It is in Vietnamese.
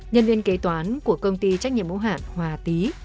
nhân viên kế toán của công ty trách nhiệm hữu hạn hòa tí